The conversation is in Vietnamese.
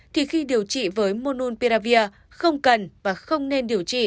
thì khi điều trị với monopiravir không cần và không nên điều trị